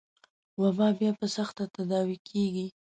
وبا بيا په سخته تداوي کېږي.